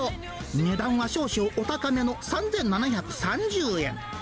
値段は少々お高めの３７３０円。